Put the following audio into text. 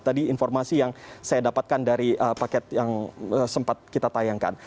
tadi informasi yang saya dapatkan dari paket yang sempat kita tayangkan